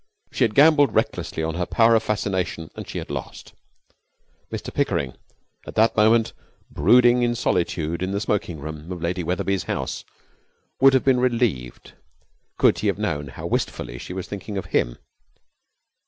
She had gambled recklessly on her power of fascination, and she had lost. Mr Pickering, at that moment brooding in solitude in the smoking room of Lady Wetherby's house, would have been relieved could he have known how wistfully she was thinking of him.